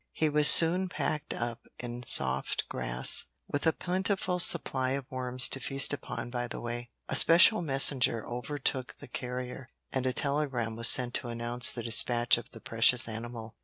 He was soon packed up in soft grass, with a plentiful supply of worms to feast upon by the way. A special messenger overtook the carrier, and a telegram was sent to announce the dispatch of the precious animal.